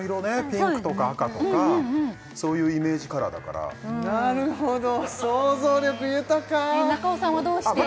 ピンクとか赤とかそういうイメージカラーだからなるほど想像力豊か中尾さんはどうして？